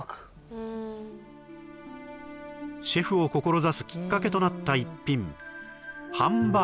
・うんシェフを志すきっかけとなった一品